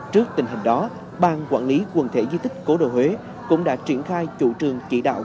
trước tình hình đó bang quản lý quần thể di tích cố đồ huế cũng đã triển khai chủ trương chỉ đạo